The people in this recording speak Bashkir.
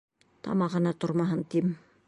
Тамағына тормаһын тием.